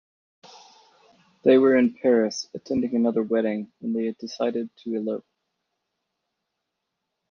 They were in Paris attending another wedding when they decided to elope.